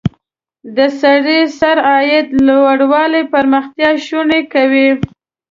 د سړي سر عاید لوړوالی پرمختیا شونې کوي.